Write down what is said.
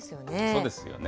そうですよね。